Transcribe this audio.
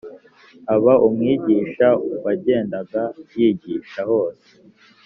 aba umwigisha wagendaga yigisha hose